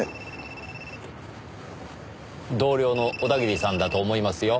同僚の小田切さんだと思いますよ。